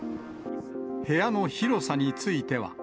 部屋の広さについては。